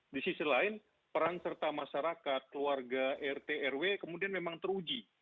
di sisi lain peran serta masyarakat keluarga rt rw kemudian memang teruji